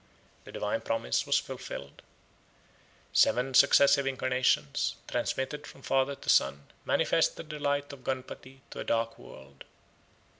The divine promise was fulfilled. Seven successive incarnations, transmitted from father to son, manifested the light of Gunputty to a dark world.